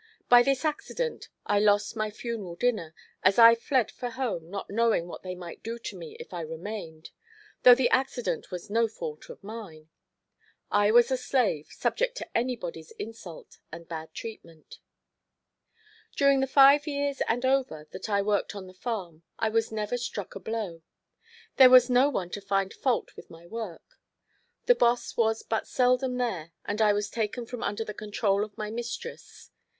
By this accident I lost my funeral dinner, as I fled for home not knowing what they might do to me if I remained—though the accident was no fault of mine; I was a slave, subject to anybody's insult and bad treatment. During the five years and over that I worked on the farm I was never struck a blow. There was no one to find fault with my work. The boss was but seldom there and I was taken from under the control of my mistress.